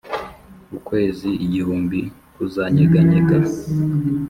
ukwezi igihumbi kuzanyeganyega;